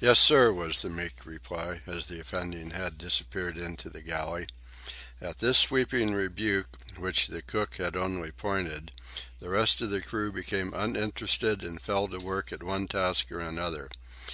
"Yes, sir," was the meek reply, as the offending head disappeared into the galley. At this sweeping rebuke, which the cook had only pointed, the rest of the crew became uninterested and fell to work at one task or another.